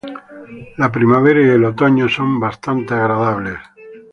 La primavera y el otoño son bastante agradables.